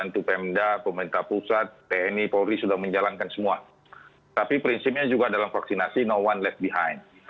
tapi prinsipnya juga dalam vaksinasi no one left behind